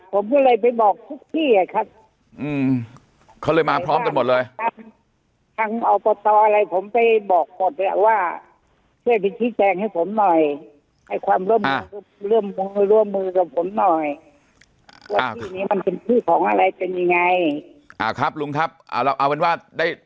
ผมก็ต้องการความจริงจริงว่าที่ตรงนี้เป็นที่ของใครเป็นอะไรไง